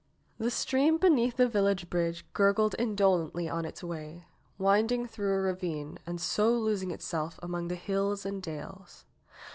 The stream beneath the village bridge gurgled indolently on its way, winding through a ravine, and so losing itself among the hills and dales.